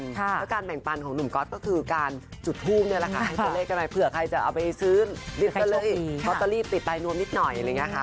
แล้วการแบ่งปันของหนุ่มก๊อตก็คือการจุดภูมิให้ตัวเลขกันใหม่เผื่อใครจะเอาไปซื้อก็เลยเพราะตัวเลขติดตายนวมนิดหน่อย